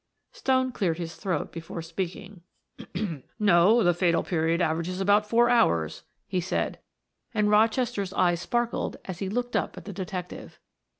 Stone cleared his throat before speaking. "No; the fatal period averages about four hours," he said, and Rochester's eyes sparkled as he looked up at the detective.